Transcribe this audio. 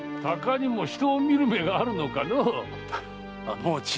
鷹にも人を見る目があるのかのう？